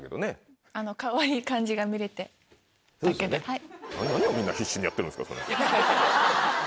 はい。